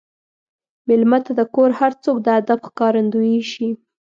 مېلمه ته د کور هر څوک د ادب ښکارندوي شي.